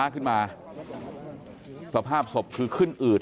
กลุ่มตัวเชียงใหม่